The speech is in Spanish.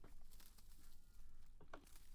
Desarrolló toda su carrera en Bolivia.